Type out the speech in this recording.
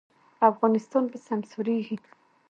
افغانستان به سمسوریږي